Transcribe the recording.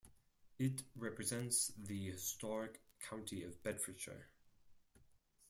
It represents the historic county of Bedfordshire.